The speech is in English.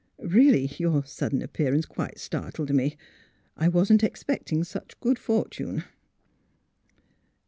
Really, your sudden ap pearance quite startled me. I wasn't expecting such good fortune."